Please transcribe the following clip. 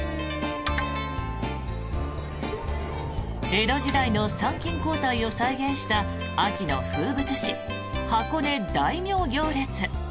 江戸時代の参勤交代を再現した秋の風物詩、箱根大名行列。